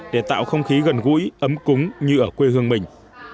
để tạo không khí gần gũi ấm cúng như ở quê hương mình